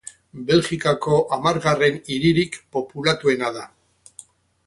Belgikako hamargarren hiririk populatuena da.